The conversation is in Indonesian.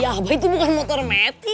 ya abah itu bukan motor meti